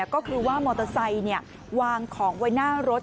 ก็คือว่ามอเตอร์ไซค์วางของไว้หน้ารถ